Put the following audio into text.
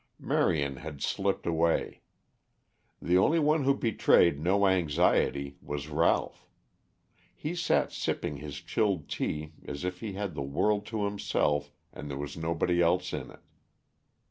Marion had slipped away. The only one who betrayed no anxiety was Ralph. He sat sipping his chilled tea as if he had the world to himself and there was nobody else in it.